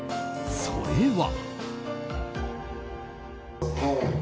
それは。